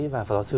và phó giáo sư